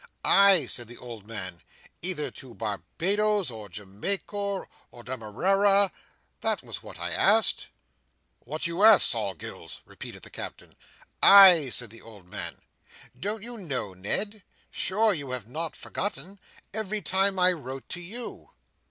"Ay," said the old man, "either to Barbados, or Jamaica, or Demerara, that was what I asked." "What you asked, Sol Gills?" repeated the Captain. "Ay," said the old man. "Don't you know, Ned? Sure you have not forgotten? Every time I wrote to you."